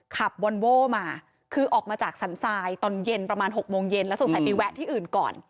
วอนโว้มาคือออกมาจากสันทรายตอนเย็นประมาณ๖โมงเย็นแล้วสงสัยไปแวะที่อื่นก่อน